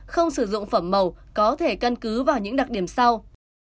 không sử dụng phẩm màu có thể căn cứ vào những đặc điểm sau